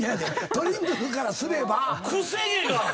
トリンドルからすれば。